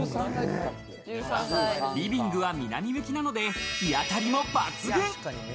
リビングは南向きなので日当たりも抜群。